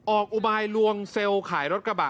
อุบายลวงเซลล์ขายรถกระบะ